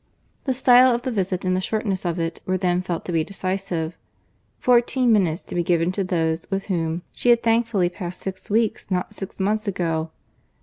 The style of the visit, and the shortness of it, were then felt to be decisive. Fourteen minutes to be given to those with whom she had thankfully passed six weeks not six months ago!